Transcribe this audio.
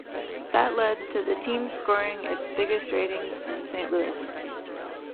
That led to the team scoring its biggest ratings in Saint Louis.